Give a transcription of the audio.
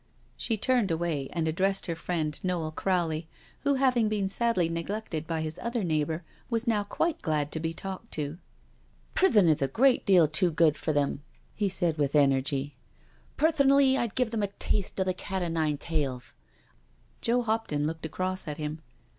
She turned away and addressed her friend Noel Crowley, who having been sadly neglected by his other neighbour was now quite glad to be talked to. " Prison is a great deal too good for them," he said with energy, " Personally, I'd give them a taste of the cat o* nine tails. I bet that*ud settle them." Joe Hop ton looked across at him.